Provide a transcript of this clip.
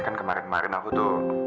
kan kemarin kemarin aku tuh